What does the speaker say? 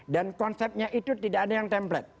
dan konsepnya itu tidak ada yang template